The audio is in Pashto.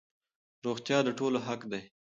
روغتيا د ټولو حق دی.